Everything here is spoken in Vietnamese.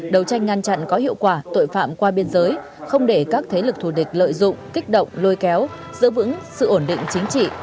đấu tranh ngăn chặn có hiệu quả tội phạm qua biên giới không để các thế lực thù địch lợi dụng kích động lôi kéo giữ vững sự ổn định chính trị